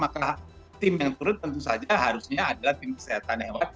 maka tim yang turut tentu saja harusnya adalah tim kesehatan hewan